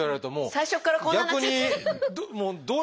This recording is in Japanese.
最初からこんなんなっちゃって。